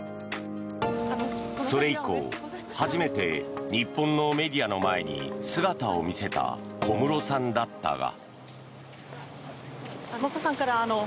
それ以降初めて日本のメディアの前に姿を見せた小室さんだったが。